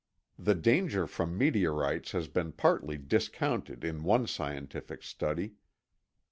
The danger from meteorites has been partly discounted in one scientific study.